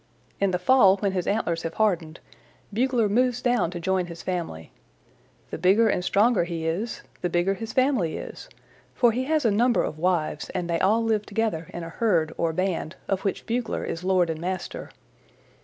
"In the fall, when his antlers have hardened, Bugler moves down to join his family. The bigger and stronger he is, the bigger his family is, for he has a number of wives and they all live together in a herd or band of which Bugler is lord and master.